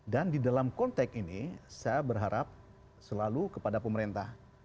dan di dalam konteks ini saya berharap selalu kepada pemerintah